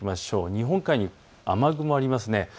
日本海に雨雲があります。